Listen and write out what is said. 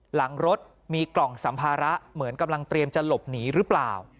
หลังรถมีกล่องสัมภาระเหมือนกำลังเตรียมจะหลบหนีหรือเปล่า